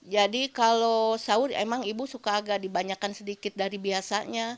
jadi kalau sahur emang ibu suka agak dibanyakan sedikit dari biasanya